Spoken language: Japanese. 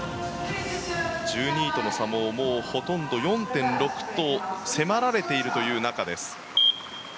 １２位との差ももうほとんど４．６と迫られている中です。